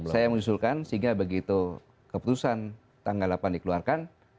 saya mengusulkan sehingga begitu keputusan tanggal delapan dikeluarkan